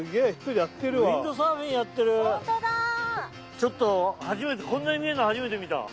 ちょっと初めてこんなに見えるの初めて見た。